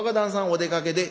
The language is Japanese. お出かけで」。